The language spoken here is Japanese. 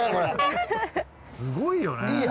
すごいよね。